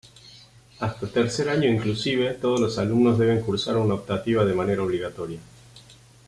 Hasta tercer año inclusive, todos los alumnos deben cursar una optativa de manera obligatoria.